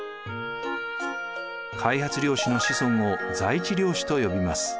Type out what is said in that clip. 開発領主の子孫を在地領主と呼びます。